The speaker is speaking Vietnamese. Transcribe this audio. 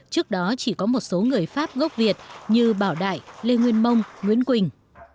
trước đó chỉ có một số người pháp gốc việt như bảo đại lê nguyên mông nguyễn quỳnh